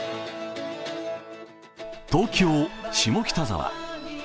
東京・下北沢。